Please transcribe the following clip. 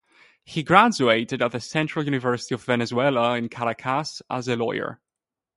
He graduated at the Central University of Venezuela in Caracas as a lawyer.